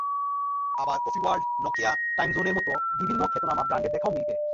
আবার coffee world, Nokia, time জোনের মতো বিভিন্ন খ্যাতনামা ব্র্যান্ডের দেখাও মিলবে।